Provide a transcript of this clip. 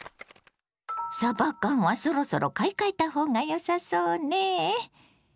さば缶はそろそろ買い替えた方がよさそうね。